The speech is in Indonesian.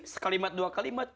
sekalimat dua kalimat